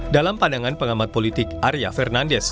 dalam pandangan pengamat politik arya fernandes